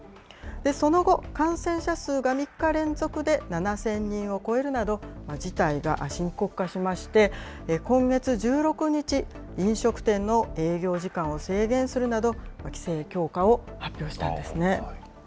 その後、感染者数が３日連続で７０００人を超える中、事態が深刻化しまして、今月１６日、飲食店の営業時間を制限するなど、規制強化を発表したんですね。